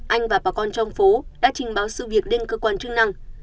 anh và bà con trong phố đã trình báo sự việc lên cơ quan chức năng